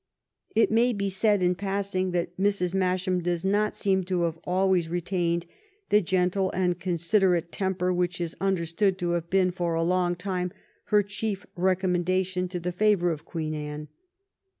It may be said, in passing, that Mrs. Masham does not seem to have always retained the gentle and con siderate temper which is understood to have been for a long time her chief recommendation to the favor of Queen Anne.